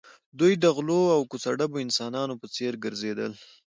دوی د غلو او کوڅه ډبو انسانانو په څېر ګرځېدل